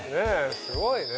すごいね。